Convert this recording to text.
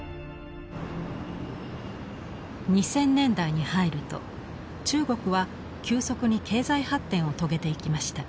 ２０００年代に入ると中国は急速に経済発展を遂げていきました。